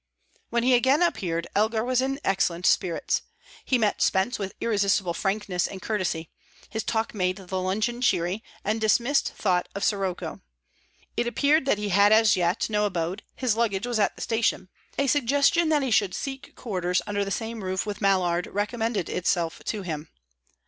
When he again appeared, Elgar was in excellent spirits. He met Spence with irresistible frankness and courtesy; his talk made the luncheon cheery, and dismissed thought of sirocco. It appeared that he had as yet no abode; his luggage was at the station. A suggestion that he should seek quarters under the same roof with Mallard recommended itself to him.